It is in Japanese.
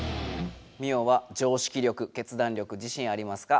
ミオは常識力決断力自信ありますか？